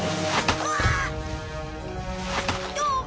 うわっ！